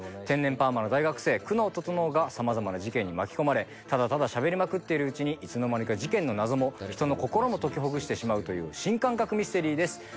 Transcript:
天然パーマの大学生久能整がさまざまな事件に巻き込まれただただしゃべりまくっているうちにいつの間にか事件の謎も人の心も解きほぐしてしまうという新感覚ミステリーです。